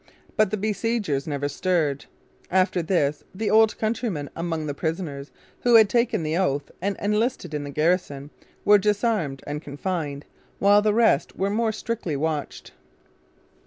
But the besiegers never stirred. After this the Old Countrymen among the prisoners, who had taken the oath and enlisted in the garrison, were disarmed and confined, while the rest were more strictly watched.